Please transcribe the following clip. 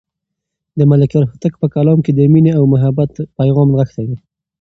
د ملکیار هوتک په کلام کې د مینې او محبت پیغام نغښتی دی.